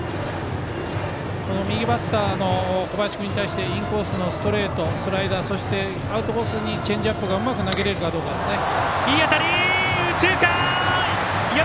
右バッターの小林君に対してインコースのストレートスライダーそしてアウトコースにチェンジアップがうまく投げられるかどうかですね。